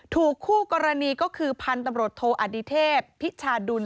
คู่กรณีก็คือพันธุ์ตำรวจโทอดิเทพพิชาดุล